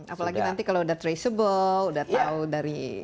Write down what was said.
apalagi nanti kalau sudah traceable sudah tahu dari